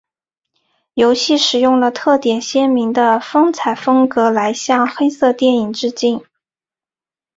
游戏使用了特点鲜明的色彩风格来向黑色电影致敬。